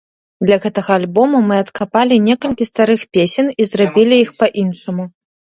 Для гэтага альбому мы адкапалі некалькі старых песень і зрабілі іх па-іншаму.